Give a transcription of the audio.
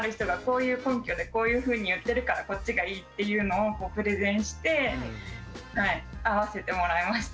こういう根拠でこういうふうに言ってるからこっちがいいっていうのをプレゼンして合わせてもらいました。